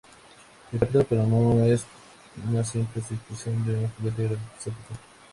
El capítulo pero, no es una simple descripción de un juguete exótico.